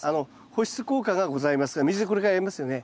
保湿効果がございますが水これからやりますよね。